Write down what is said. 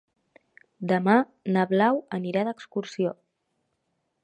Demà na Blau anirà d'excursió.